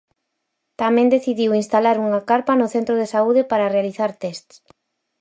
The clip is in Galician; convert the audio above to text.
Tamén decidiu instalar unha carpa no centro de saúde para realizar tests.